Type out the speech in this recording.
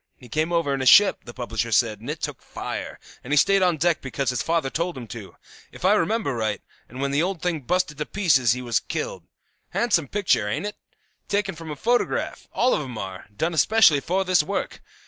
He came over in a ship, the publisher said, and it took fire, and he stayed on deck because his father told him to, if I remember right, and when the old thing busted to pieces he was killed. Handsome picture, ain't it? Taken from a photograph; all of 'em are; done especially for this work.